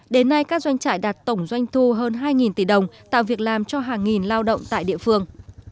đến nay các doanh trại đạt tổng doanh thu hơn hai tỷ đồng tạo việc làm cho hàng nghìn lao động tại địa phương